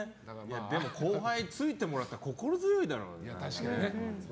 でも後輩、ついてもらったら心強いだろうね。